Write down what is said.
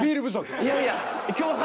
いやいや。